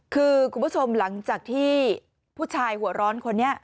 คือคุณผู้ชมหลังจากที่ผู้ชายหัวร้อนคนนี้